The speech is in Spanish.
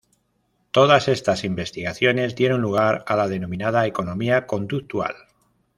Todas estas investigaciones dieron lugar a la denominada economía conductual.